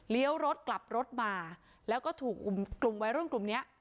รถกลับรถมาแล้วก็ถูกกลุ่มวัยรุ่นกลุ่มเนี้ย